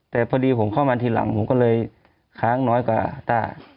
แต่พอดีผมเข้ามาทีหลังผมก็เลยค้างน้อยกว่าต้า